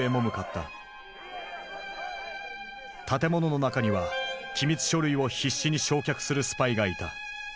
建物の中には機密書類を必死に焼却するスパイがいた。